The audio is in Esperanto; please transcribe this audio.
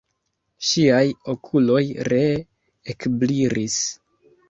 Ŝiaj okuloj ree ekbrilis.